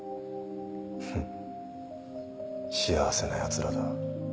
フッ幸せなヤツらだ。